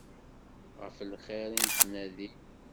Ɣef lxir i nettnadi.